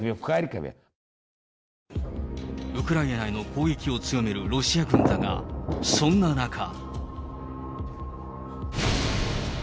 ウクライナへの攻撃を強めるロシア軍だが、そんな中。